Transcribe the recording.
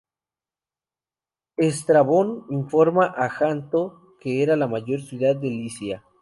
Estrabón informa que Janto era la mayor ciudad de Licia.